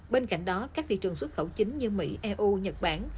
bên cạnh đó các thị trường xuất khẩu chính như mỹ eu nhật bản